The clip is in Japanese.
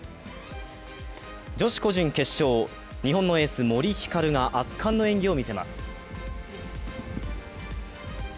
女子個人決勝、日本のエース森ひかるが圧巻の演技を見せます。